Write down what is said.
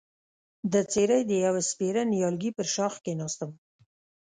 د څېړۍ د يوه سپېره نيالګي پر ښاخ کېناستم،